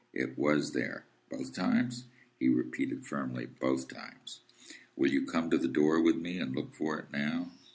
"It WAS there." "Both times?" He repeated firmly: "Both times." "Will you come to the door with me, and look for it now?"